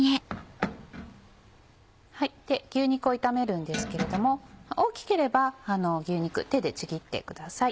牛肉を炒めるんですけれども大きければ牛肉手でちぎってください。